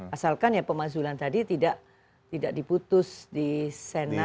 asalkan ya pemakzulan tadi tidak diputus di senat